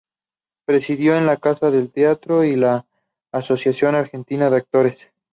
Presidió la Casa del Teatro y la Asociación Argentina de Actores.